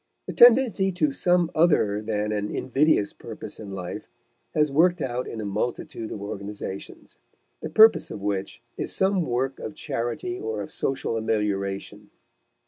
The tendency to some other than an invidious purpose in life has worked out in a multitude of organizations, the purpose of which is some work of charity or of social amelioration.